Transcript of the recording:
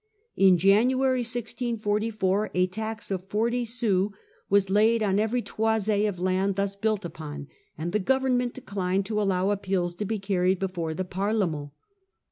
In January 1644 a tax of 40 sous was laid on every toise of land thus built upon ; and the government declined to allow appeals to be carried before the Parlement